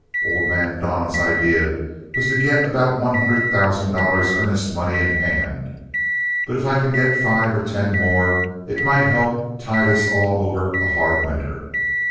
Old man Don's idea was to get about one hundred thousand dollars earnest money in hand, but if I can get five or ten more, it might help tide us all over a hard winter.